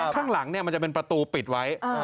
ข้างหลังมันจะเป็นประตูปิดไว้